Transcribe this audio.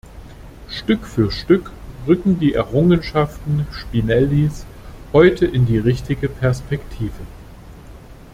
Stück für Stück rücken die Errungenschaften Spinellis heute in die richtige Perspektive.